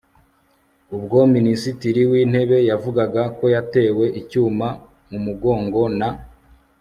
ubwo minisitiri w'intebe yavugaga ko yatewe icyuma mu mugongo na